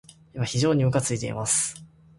今、非常にむかついています。